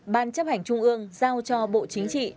ban chấp hành trung ương giao cho bộ chính trị